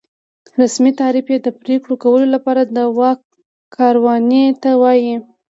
رسمي تعریف یې د پرېکړو کولو لپاره د واک کارونې ته وایي.